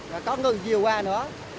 rồi có người dìu qua nữa